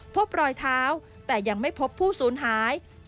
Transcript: พบรอยเท้าแต่ยังไม่พบผู้สูญหาย